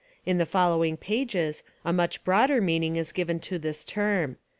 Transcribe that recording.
In the following pages a much broader meaning is given to this term.